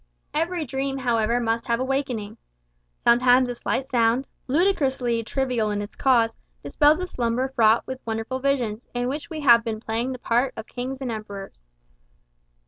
Every dream, however, must have a waking. Sometimes a slight sound, ludicrously trivial in its cause, dispels a slumber fraught with wondrous visions, in which we have been playing the part of kings and emperors.